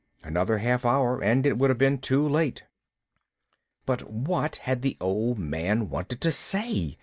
Another half hour and it would have been too late. But what had the Old Man wanted to say?